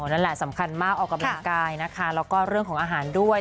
นั่นแหละสำคัญมากออกกำลังกายนะคะแล้วก็เรื่องของอาหารด้วย